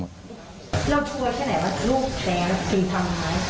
แล้วชัวร์แค่ไหนว่ารูปแทรกคือทำร้ายเขา